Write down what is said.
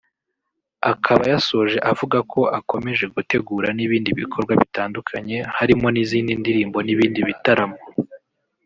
Akaba yasoje avugako akomeje gutegura n’ibindi bikorwa bitandukanye harimo izindi ndirimbo n’ibindi bitaramo